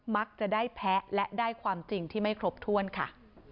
มักจะได้แพ้และได้ความจริงที่ไม่ครบถ้วนค่ะ